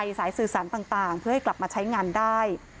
สายสื่อสารต่างเพื่อให้กลับมาใช้งานได้